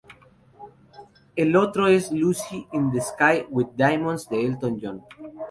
El otro es "Lucy in the sky with diamonds", de Elton John.